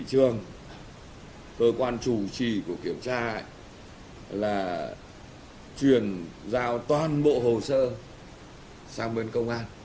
cơ quan chủ trì của kiểm tra là truyền giao toàn bộ hồ sơ sang bên công an